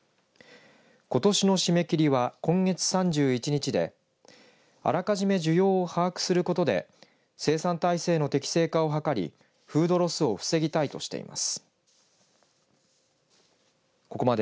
ことしの締め切りは今月３１日であらかじめ需要を把握することで生産体制の適正化を図りフードロスを防ぎたいとしています。